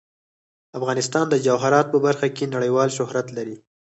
افغانستان د جواهرات په برخه کې نړیوال شهرت لري.